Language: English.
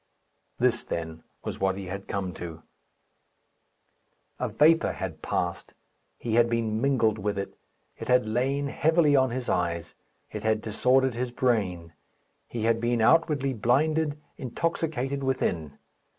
This, then, was what he had come to. A vapour had passed. He had been mingled with it. It had lain heavily on his eyes; it had disordered his brain. He had been outwardly blinded, intoxicated within.